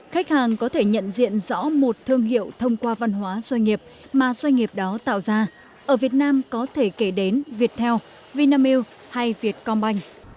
khách hàng có thể nhận diện rõ một thương hiệu thông qua văn hóa doanh nghiệp mà doanh nghiệp đó tạo ra ở việt nam có thể kể đến viettel vinamilk hay vietcombank